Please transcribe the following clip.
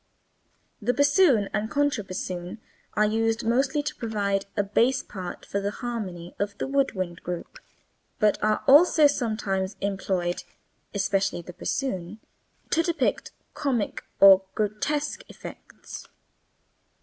The bassoon and contra bassoon are used mostly to provide a bass part for the harmony of the wood wind group, but they are also sometimes employed (especially the bassoon) to depict comic or grotesque effects.